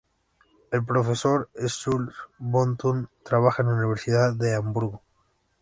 El profesor Schulz von Thun trabaja en la universidad de Hamburgo.